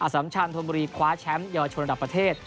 อสัมชาญธนบุรีคว้าแชมป์ยอชนภัทรประเทศ